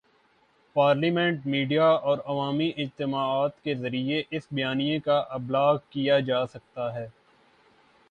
Parliament, media اور عوامی اجتماعات کے ذریعے اس بیانیے کا ابلاغ کیا جا سکتا ہے۔